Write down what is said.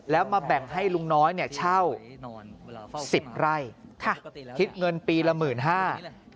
แล้วมาแบ่งให้ลุงน้อยเนี่ยเช่า๑๐ไร่คิดเงินปีละ๑๕๐๐๐บาท